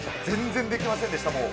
全然できませんでした、